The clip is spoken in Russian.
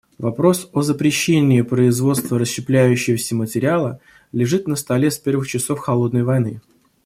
Вопрос о запрещении производства расщепляющегося материала лежит на столе с первых часов "холодной войны".